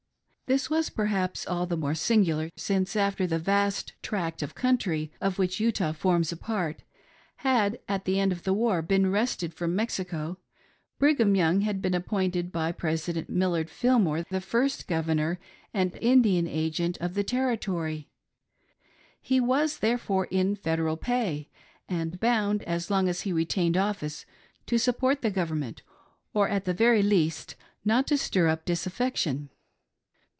This was perhaps all the more singular. TROUBLOUS TIMES AMONG THE MORMONS. 309 since, after the vast tract of country, of which Utah forms a part, had, at the end of the war, been wrested from Mexico, Brigham Young had been appointed by President Millard Fillmore the first Governor and Indian Agent of the terri tory ; he was therefore in Federal pay, and bound, as long as he retained office, to support the Government, or at the very least not to stir up disaffection.